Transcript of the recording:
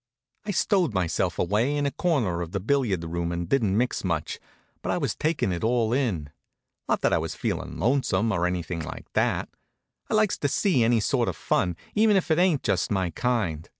I stowed myself away in a corner of the billiard room and didn't mix much, but I was takin' it all in. Not that I was feelin' lonesome, or anything like that. I likes to see any sort of fun, even if it ain't just my kind.